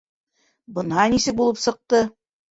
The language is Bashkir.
Бына нисек булып сыҡты!